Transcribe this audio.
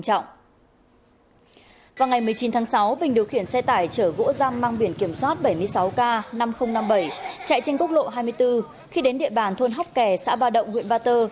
chạy trên quốc lộ hai mươi bốn khi đến địa bàn thôn hóc kè xã ba động huyện ba tơ